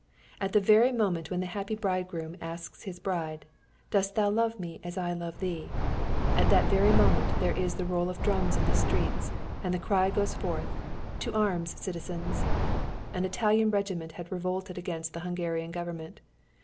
At the very moment when the happy bridegroom asks his bride, "Dost thou love me as I love thee?" at that very moment there is the roll of drums in the streets, and the cry goes forth, "To arms, citizens!" An Italian regiment had revolted against the Hungarian Government.